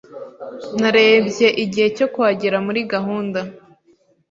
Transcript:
Narebye igihe cyo kuhagera muri gahunda.